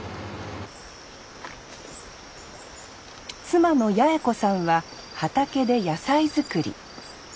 妻の八枝子さんは畑で野菜作り。